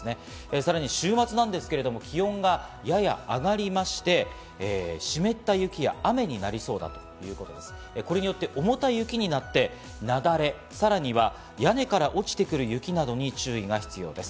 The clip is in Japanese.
さらに週末は気温がやや上がりまして、湿った雪や雨になりそうだということで、これによって重たい雪になって雪崩や、屋根から落ちてくる雪などに注意が必要です。